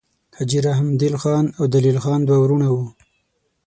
حاجي رحمدل خان او دلیل خان دوه وړونه وه.